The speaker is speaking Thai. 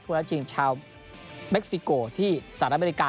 นักจริงชาวเม็กซิโกที่สหรัฐอเมริกา